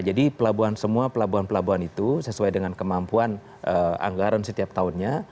jadi pelabuhan semua pelabuhan pelabuhan itu sesuai dengan kemampuan anggaran setiap tahunnya